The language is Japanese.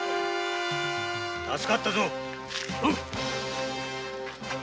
助かったぞ。